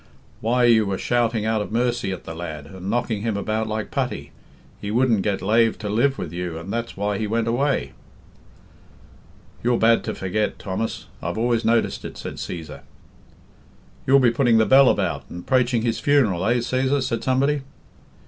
"Why, you were shouting out of mercy at the lad, and knocking him about like putty. He wouldn't get lave to live with you, and that's why he went away." "You're bad to forget, Thomas I've always noticed it," said Cæsar. "You'll be putting the bell about, and praiching his funeral, eh, Cæsar?" said somebody.